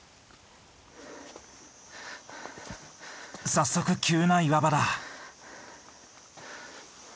早速急な岩場だ。